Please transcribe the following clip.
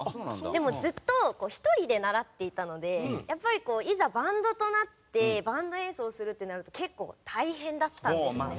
でもずっと１人で習っていたのでやっぱり、いざバンドとなってバンド演奏をするとなると結構大変だったんですね。